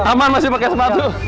aman masih pakai sepatu